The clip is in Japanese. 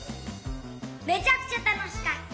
めちゃくちゃたのしかった！